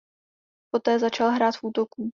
Poté začal hrát v útoku.